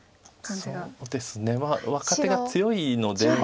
そうですね若手が強いので。